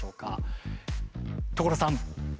所さん！